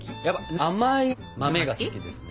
甘い豆が好きですね。